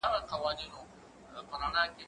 کېدای سي وخت کم وي؟